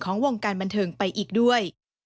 วงการบันเทิงไปอีกด้วย